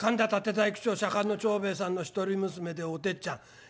大工町左官の長兵衛さんの一人娘でおてっちゃん。